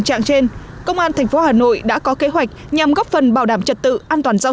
trạng trên công an tp hà nội đã có kế hoạch nhằm góp phần bảo đảm trật tự an toàn giao